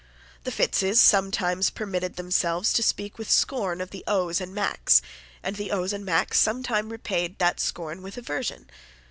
The Fitzes sometimes permitted themselves to speak with scorn of the Os and Macs; and the Os and Macs sometimes repaid that scorn with aversion.